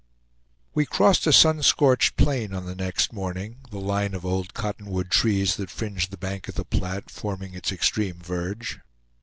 We crossed a sun scorched plain on the next morning; the line of old cotton wood trees that fringed the bank of the Platte forming its extreme verge.